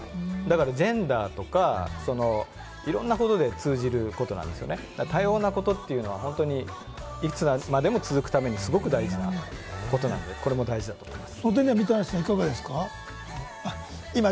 ジェンダーとか、いろんなことに通じることなんですよね、多様なことというのは、いつまでも続くために、すごく大事なことなので、これも大事だと思います。